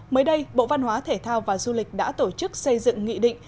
mới đây bộ văn hóa thể thao và du lịch đã tổ chức xây dựng nghị định